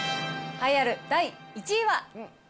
栄えある第１位は。